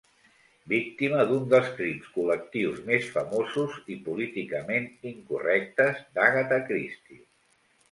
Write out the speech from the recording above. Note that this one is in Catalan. Víctima d'un dels crims col·lectius més famosos i políticament incorrectes d'Agatha Christie.